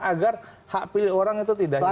agar hak pilih orang itu tidak hilang